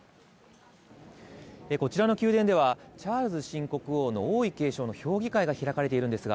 こちらの宮殿ではチャールズ新国王の王位継承の評議会が開かれています。